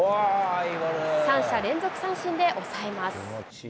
三者連続三振で抑えます。